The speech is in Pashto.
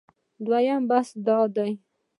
دویم بحث دا دی